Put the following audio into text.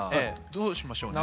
どうしましょうね。